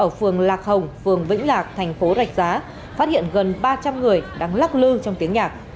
ở phường lạc hồng phường vĩnh lạc thành phố rạch giá phát hiện gần ba trăm linh người đang lắc lư trong tiếng nhạc